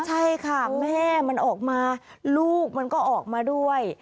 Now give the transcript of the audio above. ใช่ค่ะแม่มันออกมาลูกมันก็ออกมาด้วย